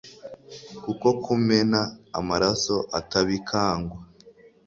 kuko kumena amaraso atabikangwa